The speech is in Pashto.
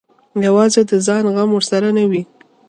یوازې د ځان غم ورسره نه وي.